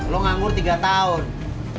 lu nganggur tiga tahun